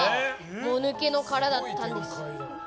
もぬけの殻だったんです。